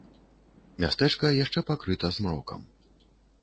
Мястэчка яшчэ пакрыта змрокам.